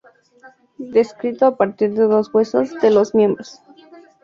Descrito a partir de dos huesos de los miembros.